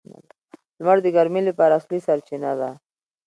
• لمر د ګرمۍ لپاره اصلي سرچینه ده.